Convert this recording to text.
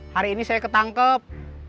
hari ini saya ketangkep